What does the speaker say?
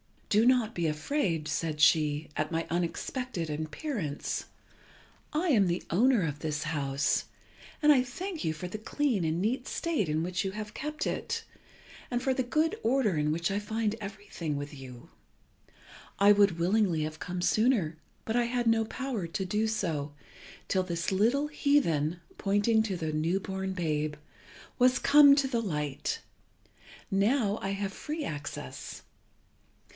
"Do not be afraid," said she, "at my unexpected appearance. I am the owner of this house, and I thank you for the clean and neat state in which you have kept it, and for the good order in which I find everything with you. I would willingly have come sooner, but I had no power to do so, till this little heathen (pointing to the new born babe) was come to the light. Now I have free access.